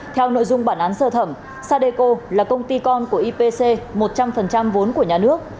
theo nội dung bản án sơ thẩm sadeco là công ty con của ipc một trăm linh vốn của nhà nước